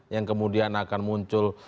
yang kemudian akan muncul